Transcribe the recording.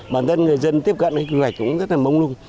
bản thân người dân tiếp cận với quy hoạch cũng rất là mông lung